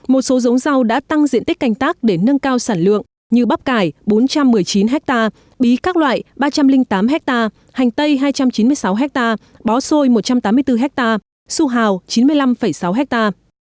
một số giống rau đã tăng diện tích canh tác để nâng cao sản lượng như bắp cải bốn trăm một mươi chín ha bí các loại ba trăm linh tám ha hành tây hai trăm chín mươi sáu ha bó xôi một trăm tám mươi bốn ha su hào chín mươi năm sáu ha